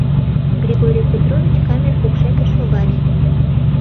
Григорий Петрович камер покшеке шогале.